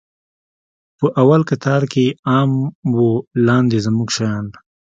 په اول کتار کښې يې ام و لاندې زموږ شيان.